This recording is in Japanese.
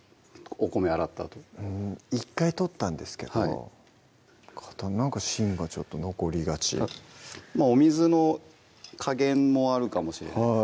お米洗ったあと１回取ったんですけどなんか芯がちょっと残りがちお水の加減もあるかもしれないです